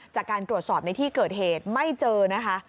จากการตรวจสอบในที่เกิดเหตุไม่เจอนะคะ